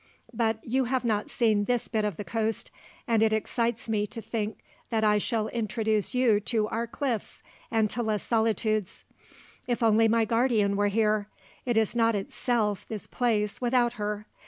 But you have not seen this bit of the coast, and it excites me to think that I shall introduce you to our cliffs and to Les Solitudes. If only my guardian were here! It is not itself, this place, without her.